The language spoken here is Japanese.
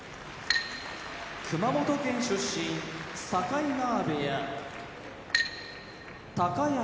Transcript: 熊本県出身境川部屋高安